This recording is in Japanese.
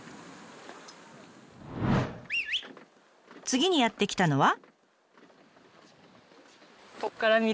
次にやって来たのは。